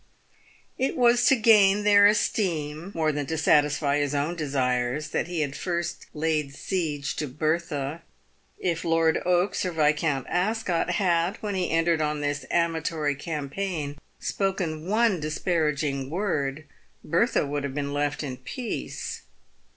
It was to gain their esteem more than to satisfy his own desires, that he first laid siege to Bertha. If Lord Oakes or Viscount Ascot had, when he entered on this amatory campaign, spoken one disparaging word, Bertha would have been left in peace.